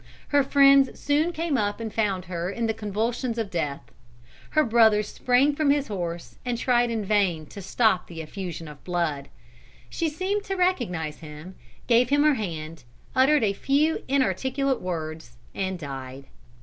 Her friends soon came up and found her in the convulsions of death. Her brother sprang from his horse and tried in vain to stop the effusion of blood. She seemed to recognize him, gave him her hand, uttered a few inarticulate words, and died.